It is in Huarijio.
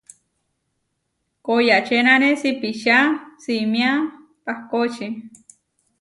Koyačénane sipičá simiá pahkóči.